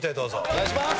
お願いします！